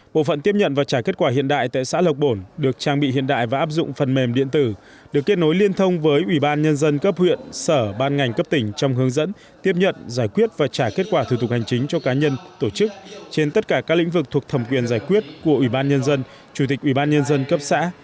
bộ phận tiếp nhận và trả kết quả hiện đại tại xã lộc bồn được trang bị hiện đại và áp dụng phần mềm điện tử được kết nối liên thông với ủy ban nhân dân cấp huyện sở ban ngành cấp tỉnh trong hướng dẫn tiếp nhận giải quyết và trả kết quả thủ tục hành chính cho cá nhân tổ chức trên tất cả các lĩnh vực thuộc thẩm quyền giải quyết của ủy ban nhân dân chủ tịch ủy ban nhân dân cấp xã